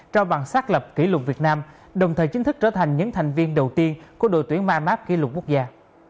cho bằng xác lập kỷ lục việt nam đồng thời chính thức trở thành những thành viên đầu tiên của đội tuyển mymap kỷ lục quốc gia